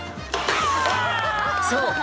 ［そう。